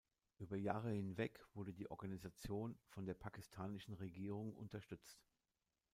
Über Jahre hinweg wurde die Organisation von der pakistanischen Regierung unterstützt.